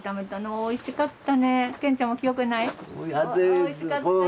おいしかったね。